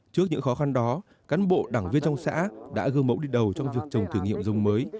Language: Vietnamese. trước những khó khăn đó cán bộ đảng viên trong xã đã gương mẫu đi đầu trong việc trồng thử nghiệm giống mới